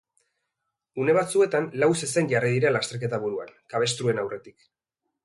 Une batzuetan lau zezen jarri dira lasterketa buruan, kabestruen aurretik.